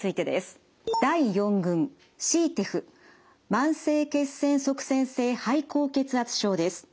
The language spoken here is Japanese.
慢性血栓塞栓性肺高血圧症です。